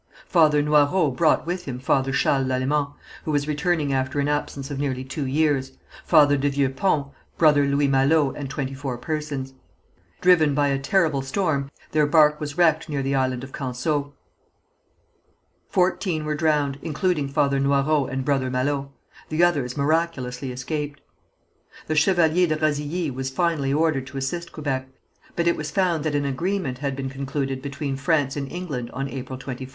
Father Noyrot brought with him Father Charles Lalemant, who was returning after an absence of nearly two years, Father de Vieux Pont, Brother Louis Malot and twenty four persons. Driven by a terrible storm, their barque was wrecked near the Island of Canseau. Fourteen were drowned, including Father Noyrot and Brother Malot. The others miraculously escaped. The Chevalier de Razilly was finally ordered to assist Quebec, but it was found that an agreement had been concluded between France and England on April 24th.